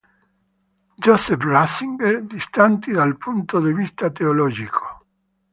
Joseph Ratzinger, distanti dal punto di vista teologico.